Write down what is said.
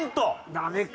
ダメか。